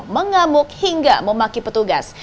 mengamuk hingga memaki petugas